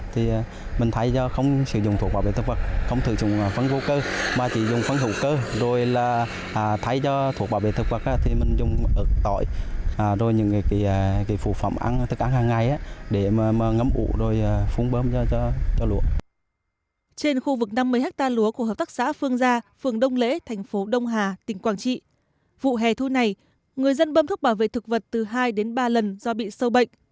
trên khu vực năm mươi hectare lúa của hợp tác xã phương gia phường đông lễ thành phố đông hà tỉnh quảng trị vụ hè thu này người dân bâm thuốc bảo vệ thực vật từ hai đến ba lần do bị sâu bệnh